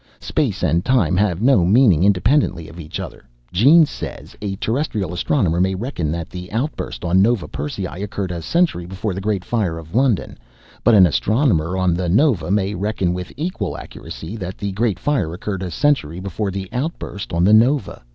Space and time have no meaning independently of each other. Jeans says. 'A terrestrial astronomer may reckon that the outburst on Nova Persei occurred a century before the great fire of London, but an astronomer on the Nova may reckon with equal accuracy that the great fire occurred a century before the outburst on the Nova.'